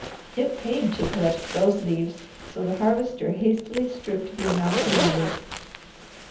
It paid to collect those leaves, so the Harvester hastily stripped the amount he wanted.